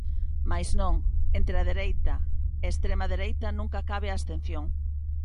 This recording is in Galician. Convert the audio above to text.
Mais non, entre dereita e extrema dereita, nunca cabe a abstención.